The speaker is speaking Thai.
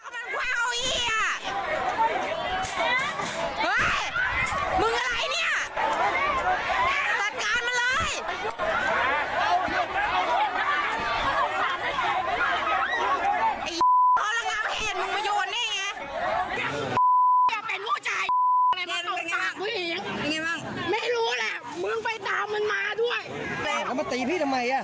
ไม่รู้แหละมึงไปตามมันมาด้วยแต่เขามาตีพี่ทำไมอ่ะ